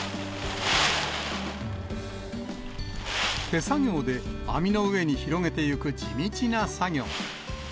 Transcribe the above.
手作業で網の上に広げていく地道な作業。